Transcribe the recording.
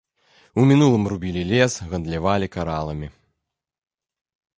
У мінулым рубілі лес, гандлявалі караламі.